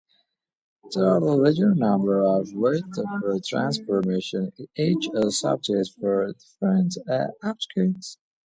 There are a large number of wavelet transforms each suitable for different applications.